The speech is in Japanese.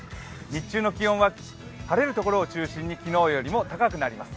日中の気温は晴れる所を中心に昨日よりも高くなります。